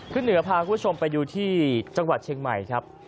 ขึ้นเหนือพาคุณผู้ชมไปดูที่จังหวัดเชียงใหม่ครับ